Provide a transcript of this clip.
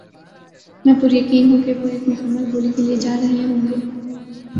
میں پُریقین ہوں وہ ایک مکمل بولی کے لیے جا رہے ہوں گے